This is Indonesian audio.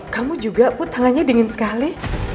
kamu juga put tangannya dingin sekali